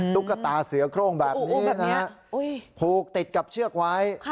ตุ๊กตาเสือโครงแบบนี้นะฮะผูกติดกับเชือกไว้